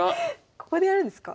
ここでやるんですか？